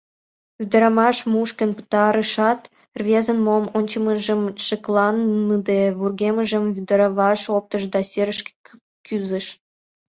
Ӱдырамаш мушкын пытарышат, рвезын мом ончымыжым шекланыде, вургемжым вӱдвараш оптыш да серышке кӱзыш.